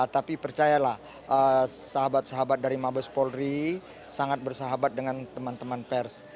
tapi percayalah sahabat sahabat dari mabes polri sangat bersahabat dengan teman teman pers